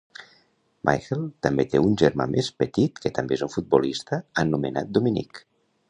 Michael també té un germà més petit que també és un futbolista anomenat Dominic.